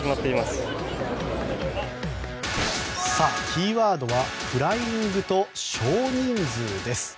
キーワードはフライングと少人数です。